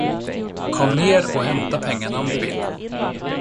Kom ned och hämta pengarna om du vill.